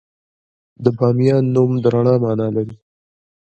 د بامیان نوم د رڼا مانا لري